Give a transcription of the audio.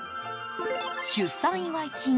出産祝い金